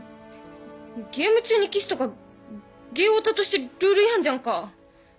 ゲーム中にキスとかゲーヲタとしてルール違反じゃんか。